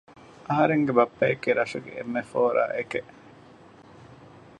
އަހަރެންގެ ބައްޕައަކީ ރަށުގެ އެންމެ ފޯރާއެކެއް